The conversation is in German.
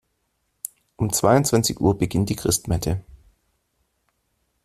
Um zweiundzwanzig Uhr beginnt die Christmette.